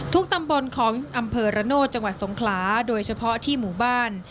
ตำบลของอำเภอระโนธจังหวัดสงขลาโดยเฉพาะที่หมู่บ้าน